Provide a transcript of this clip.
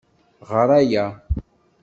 Ɣer aya.